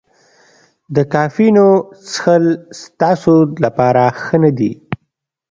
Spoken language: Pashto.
د کافینو څښل ستاسو لپاره ښه نه دي.